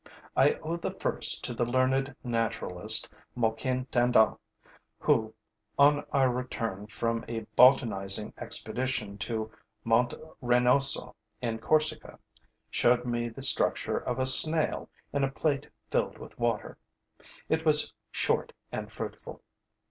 I owe the first to the learned naturalist Moquin Tandon, who, on our return from a botanizing expedition to Monte Renoso, in Corsica, showed me the structure of a Snail in a plate filled with water. It was short and fruitful.